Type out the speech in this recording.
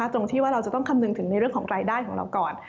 ตรงที่ว่าเราจะต้องคำนึงถึงในเรื่องของรายได้ของเราก่อน